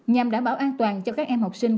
nhằm đảm bảo an toàn cho các em học sinh